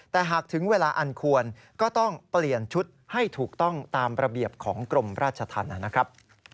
แต่หากถึงเวลาอันควรก็ต้องเปลี่ยนชุดให้ถูกต้องตามระเบียบของกรมราชธรรมนะครับ